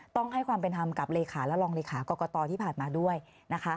ต้องให้ความเป็นธรรมกับเลขาและรองเลขากรกตที่ผ่านมาด้วยนะคะ